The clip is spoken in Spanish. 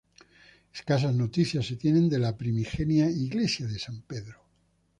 Escasas noticias se tienen de la primigenia Iglesia de San Pedro.